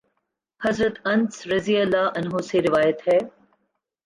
حضرت انس رضی اللہ عنہ سے روایت ہے